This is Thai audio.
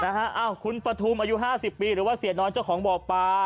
อ้าวคุณปฐุมอายุ๕๐ปีหรือว่าเสียน้อยเจ้าของบ่อปลา